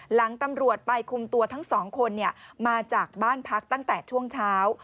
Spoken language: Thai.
หลังตำรวจไปคุมตัวทั้งสองคนมาจากบ้านพักตั้งแต่ช่วงเช้า